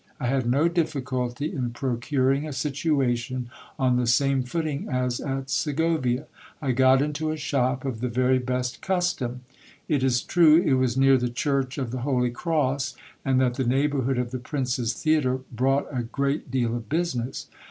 I had no difficulty in procuring a situation on the same footing as at Se govia. I got into a shop of the very best custom. It is true, it was near the church of the Holy Cross, and that the neighbourhood of the Prince's Theatre brought a great deal of business.